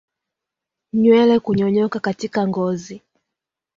Nywele kunyonyoka katika ngozi